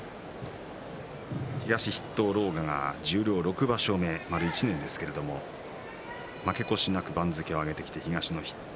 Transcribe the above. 東筆頭の狼雅、十両６場所目まだ１年ですけど負け越しなく番付を上げてきて東の筆頭